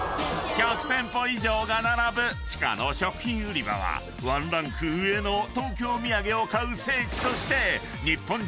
［１００店舗以上が並ぶ地下の食品売り場はワンランク上の東京土産を買う聖地として］